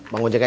bang ujeng aja